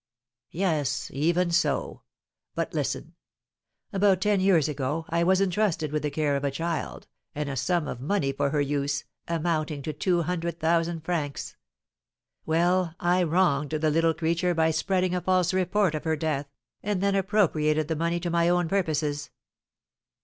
"Yes, even so. But listen. About ten years ago I was entrusted with the care of a child, and a sum of money for her use, amounting to two hundred thousand francs; well, I wronged the little creature by spreading a false report of her death, and then appropriated the money to my own purposes."